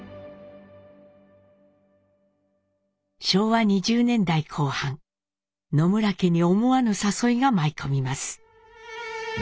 昭和２０年代後半野村家に思わぬ誘いが舞い込みます。